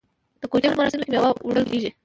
د کوژدې په مراسمو کې میوه وړل کیږي.